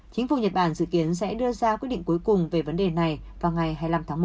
chính phủ nhật bản dự kiến sẽ đưa ra quyết định cuối cùng về vấn đề này vào ngày hai mươi năm tháng một